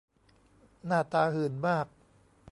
หน้าตาหื่นมาก